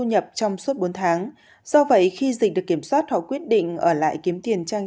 nhập trong suốt bốn tháng do vậy khi dịch được kiểm soát họ quyết định ở lại kiếm tiền trang